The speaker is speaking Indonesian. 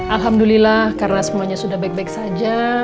alhamdulillah karena semuanya sudah baik baik saja